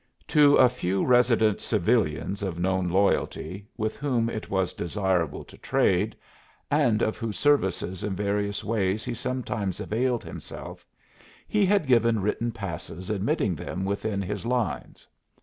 To a few resident civilians of known loyalty, with whom it was desirable to trade, and of whose services in various ways he sometimes availed himself, he had given written passes admitting them within his lines.